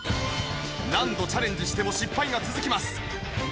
何度チャレンジしても失敗が続きます。